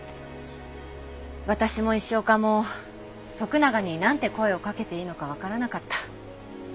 私も石岡も徳永になんて声をかけていいのかわからなかった。